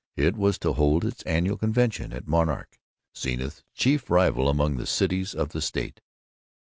It was to hold its annual convention at Monarch, Zenith's chief rival among the cities of the state.